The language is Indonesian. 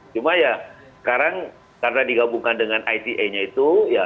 cuma ya sekarang karena digabungkan dengan ita nya itu